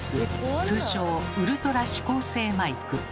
通称ウルトラ指向性マイク。